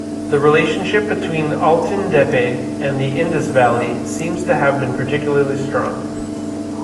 The relationship between Altyn-Depe and the Indus Valley seems to have been particularly strong.